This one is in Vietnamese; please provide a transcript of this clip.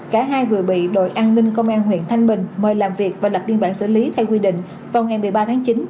cả hai vừa bị đội an ninh công an huyện thanh bình mời làm việc và lập biên bản xử lý theo quy định vào ngày một mươi ba tháng chín